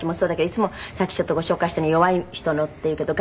いつもさっきちょっとご紹介した弱い人のっていうけど。